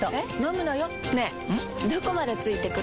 どこまで付いてくる？